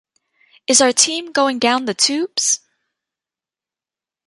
Is our team going down the tubes?